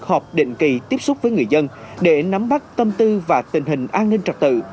họp định kỳ tiếp xúc với người dân để nắm bắt tâm tư và tình hình an ninh trật tự